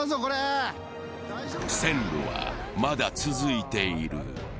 線路はまだ続いている。